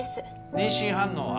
妊娠反応は？